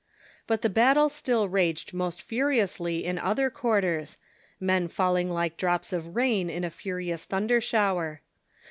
But the battle still raged most furiously in other quarters, men falling like drops of rain in a furious thunder shower.